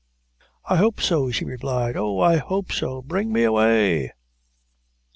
"I hope so," she replied; "oh, I hope so bring me away!"